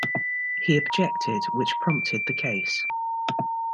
He objected, which prompted the case.